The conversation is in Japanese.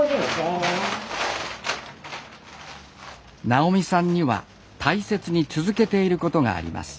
直美さんには大切に続けていることがあります。